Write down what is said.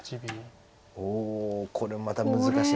おおこれまた難しい。